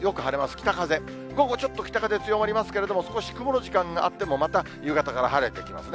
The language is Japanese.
北風、午後ちょっと北風強まりますけど、少し曇る時間があっても、また夕方から晴れてきますね。